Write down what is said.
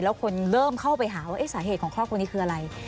แล้วคนเริ่มเข้าไปหาว่าสาเหตุของครอบครัวนี้คืออะไร